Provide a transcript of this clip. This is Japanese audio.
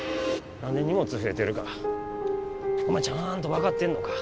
何で荷物増えてるかお前ちゃんと分かってんのか？